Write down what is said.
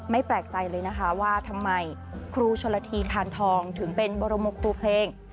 แปลกใจเลยนะคะว่าทำไมครูชนละทีทานทองถึงเป็นบรมกครูเพลง